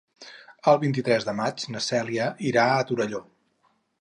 El vint-i-tres de maig na Cèlia irà a Torelló.